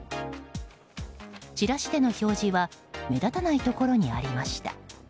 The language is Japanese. チラシでの表示は目立たないところにありました。